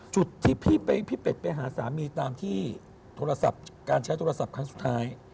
จุดที่พี่เป็ดไปหาสามีตามที่โทรศัพท์การใช้โทรศัพท์ครั้งสุดท้าย